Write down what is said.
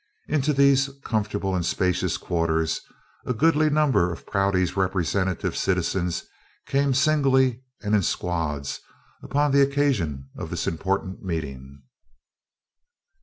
Into these comfortable and spacious quarters, a goodly number of Prouty's representative citizens came singly and in squads upon the occasion of this important meeting.